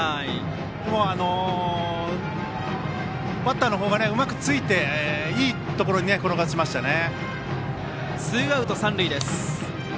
でも、バッターの方がうまく突いていいところに転がしましたね。